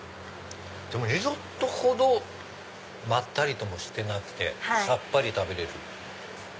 でもリゾットほどまったりともしてなくてさっぱり食べれる。